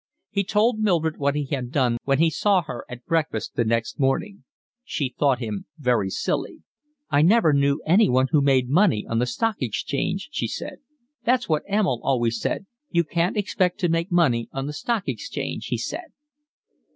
He told Mildred what he had done when he saw her at breakfast next morning. She thought him very silly. "I never knew anyone who made money on the Stock Exchange," she said. "That's what Emil always said, you can't expect to make money on the Stock Exchange, he said."